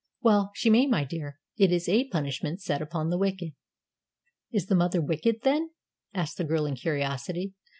"Well she may, my dear. It is a punishment sent upon the wicked." "Is the mother wicked, then?" asked the girl in curiosity.